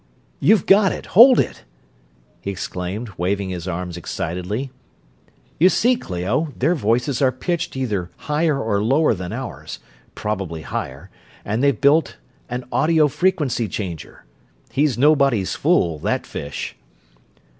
"You've got it hold it!" he exclaimed, waving his arms excitedly. "You see, Clio, their voices are pitched either higher or lower than ours probably higher and they've built an audio frequency changer. He's nobody's fool, that fish!"